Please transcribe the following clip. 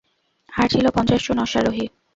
আর ছিল পঞ্চাশ জন অশ্বারোহী।